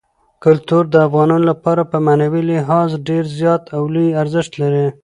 کلتور د افغانانو لپاره په معنوي لحاظ ډېر زیات او لوی ارزښت لري.